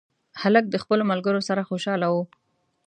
هلک د خپلو ملګرو سره خوشحاله و.